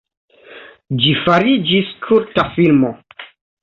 Ĝi fariĝis kulta filmo.